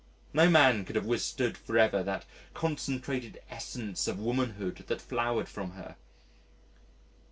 No man could have withstood for ever that concentrated essence of womanhood that flowed from her....